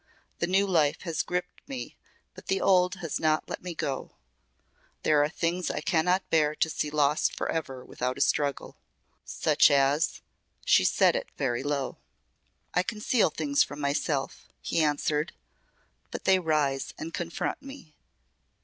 The new life has gripped me, but the old has not let me go. There are things I cannot bear to see lost forever without a struggle." "Such as " she said it very low. "I conceal things from myself," he answered, "but they rise and confront me.